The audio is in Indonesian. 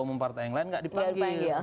umum partai yang lain nggak dipanggil